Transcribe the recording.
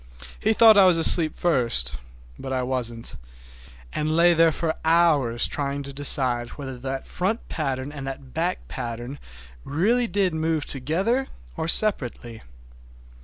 He thought I was asleep first, but I wasn't,—I lay there for hours trying to decide whether that front pattern and the back pattern really did move together or separately.